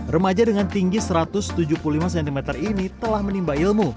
remaja dengan tinggi satu ratus tujuh puluh lima cm ini telah menimba ilmu